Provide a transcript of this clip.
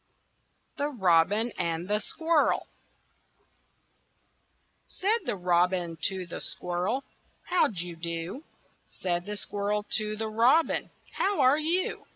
THE ROBIN AND THE SQUIRREL Said the Robin to the Squirrel, "How d' you do?" Said the Squirrel to the Robin, "How are you?"